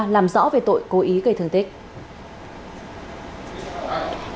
làm rõ về tội cố ý gây thương tích